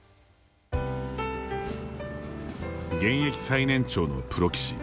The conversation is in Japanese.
現役最年長のプロ棋士